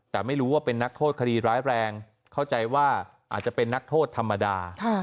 แต่ไม่รู้ว่าเป็นนักโทษคดีร้ายแรงเข้าใจว่าอาจจะเป็นนักโทษธรรมดา